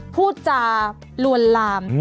พูดจาลวนลาม